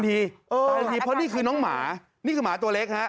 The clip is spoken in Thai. เพราะนี่คือน้องหมานี้คือหมาตัวเล็ก